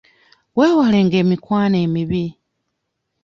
Weewalenga emikwano emibi.